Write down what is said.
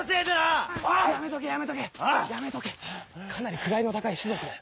かなり位の高い士族だ。